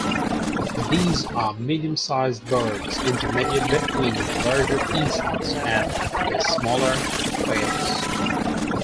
These are medium-sized birds, intermediate between the larger pheasants and the smaller quails.